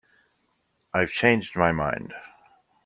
I’ve changed my mind